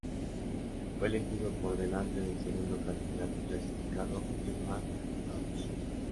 Fue elegido por delante del segundo candidato clasificado, Dietmar Bartsch.